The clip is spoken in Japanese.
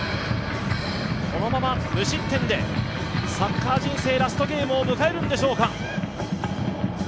このまま無失点でサッカー人生ラストゲームを迎えるんでしょうか。